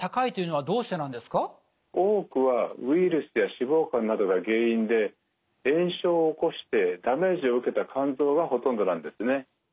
多くはウイルスや脂肪肝などが原因で炎症を起こしてダメージを受けた肝臓がほとんどなんですね。